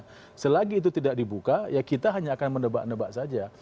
karena selagi itu tidak dibuka ya kita hanya akan mendebak nebak saja